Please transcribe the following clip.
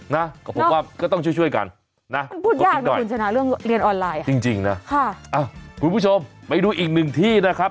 นะก็ต้องช่วยกันนะก็พูดหน่อยจริงนะคุณผู้ชมไปดูอีกหนึ่งที่นะครับ